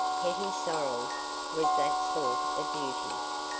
Hetty Sorrel's was that sort of beauty.